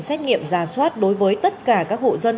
xét nghiệm giả soát đối với tất cả các hộ dân